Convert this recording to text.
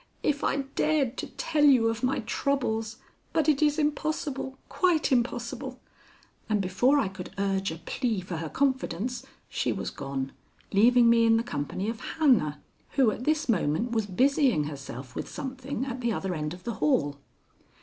"If I dared to tell you of my troubles! But it is impossible, quite impossible." And before I could urge a plea for her confidence she was gone, leaving me in the company of Hannah, who at this moment was busying herself with something at the other end of the hall.